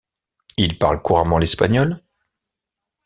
Il parle couramment l'espagnol.